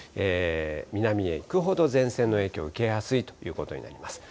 南へ行くほど前線の影響を受けやすいということになります。